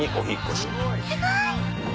すごい！